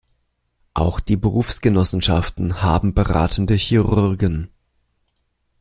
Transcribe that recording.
Auch die Berufsgenossenschaften haben beratende Chirurgen.